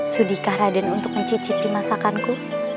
sudikah raden untuk mencicipi masakanku